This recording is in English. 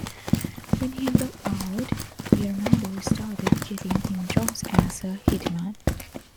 When he got out, Leonardo started getting him jobs as a hitman.